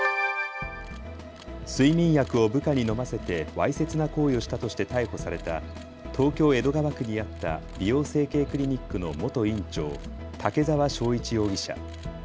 睡眠薬を部下に飲ませてわいせつな行為をしたとして逮捕された東京江戸川区にあった美容整形クリニックの元院長、竹澤章一容疑者。